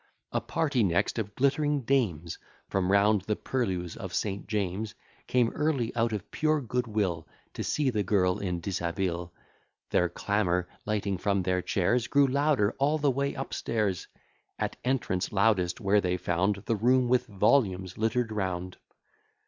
A party next of glittering dames, From round the purlieus of St. James, Came early, out of pure good will, To see the girl in dishabille. Their clamour, 'lighting from their chairs Grew louder all the way up stairs; At entrance loudest, where they found The room with volumes litter'd round.